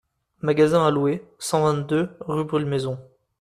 Magasin à louer, cent vingt-deux, rue Brûle-Maison.